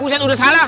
buset udah salah